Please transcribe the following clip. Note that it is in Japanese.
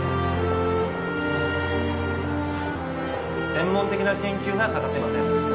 専門的な研究が欠かせません